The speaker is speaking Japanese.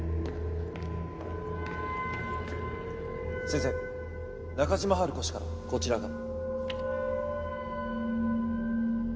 先生中島ハルコ氏からこちらが。